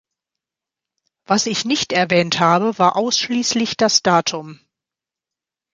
Was ich nicht erwähnt habe, war ausschließlich das Datum.